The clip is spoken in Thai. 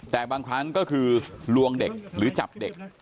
แต่บางครั้งก็คือลวงเด็กหรือจับเด็ก